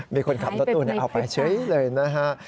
มีคนขับรถตู้เอาไปเฉยเลยนะฮะ